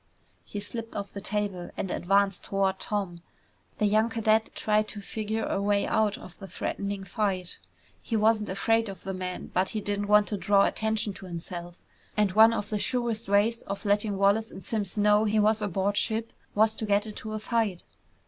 He slipped off the table and advanced toward Tom. The young cadet tried to figure a way out of the threatening fight. He wasn't afraid of the man, but he didn't want to draw attention to himself. And one of the surest ways of letting Wallace and Simms know he was aboard ship was to get into a fight.